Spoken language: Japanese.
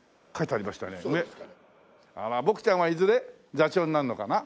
あらボクちゃんはいずれ座長になるのかな？